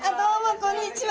こんにちは。